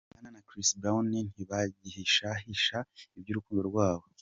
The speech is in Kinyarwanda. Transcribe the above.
Rihanna na Chris Brown ntibagihisha hisha iby’urukundo rwabo.